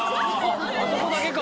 あそこだけか。